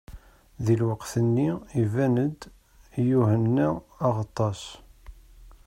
Di lweqt-nni, iban-d Yuḥenna Aɣeṭṭaṣ.